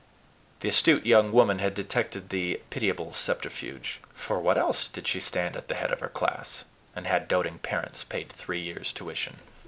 The astute young woman had detected the pitiable subterfuge. For what else did she stand at the head of her class, and had doting parents paid three years' tuition?